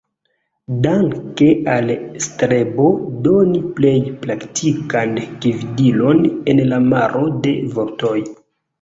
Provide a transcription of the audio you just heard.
Danke al strebo doni plej praktikan gvidilon en la maro de vortoj.